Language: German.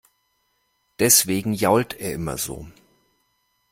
Deswegen jault er immer so.